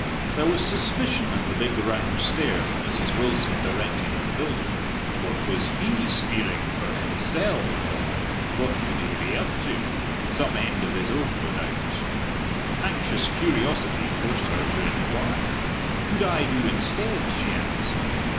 There was suspicion in the big round stare that Mrs. Wilson directed at the builder. What was he spiering for "himsell" for? What could he be up to? Some end of his own, no doubt. Anxious curiosity forced her to inquire. "Would I do instead?" she asked.